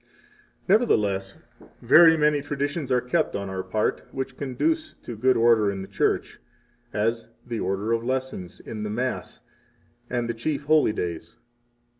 40 Nevertheless, very many traditions are kept on our part, which conduce to good order in the Church, as the Order of Lessons 41 in the Mass and the chief holy days.